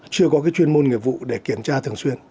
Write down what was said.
chưa có chuyên môn nghiệp vụ để kiểm tra thường xuyên